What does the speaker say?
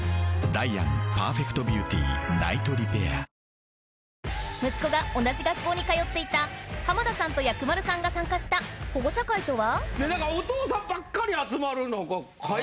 メロメロ息子が同じ学校に通っていた浜田さんと薬丸さんが参加した保護者会とは？